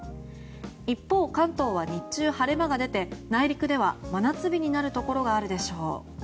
一方、関東は日中晴れ間が出て内陸では真夏日になるところがあるでしょう。